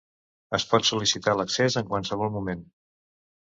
Es pot sol·licitar l'accés en qualsevol moment.